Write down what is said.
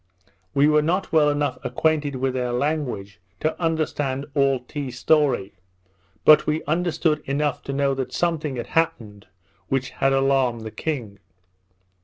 We were not well enough acquainted with their language to understand all Tee's story; but we understood enough to know that something had happened which had alarmed the king.